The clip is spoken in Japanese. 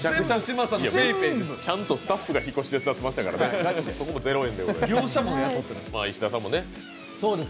ちゃんとスタッフが引っ越し手伝ってましたから０円です。